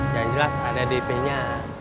yang jelas ada dp nya